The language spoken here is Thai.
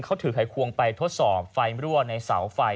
เขาถือไขควงไปทดสอบไฟรั่วในเสาไฟ